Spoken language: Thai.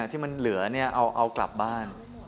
ที่มันเหลือเอากลับบ้าน